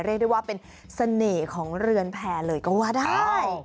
เรียกได้ว่าเป็นเสน่ห์ของเรือนแพร่เลยก็ว่าได้